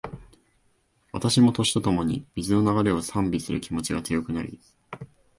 私も、年とともに、水の流れを賛美する気持ちが強くなり